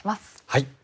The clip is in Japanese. はい。